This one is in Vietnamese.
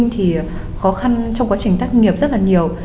thì khó khăn trong quá trình tác nghiệp rất là nhiều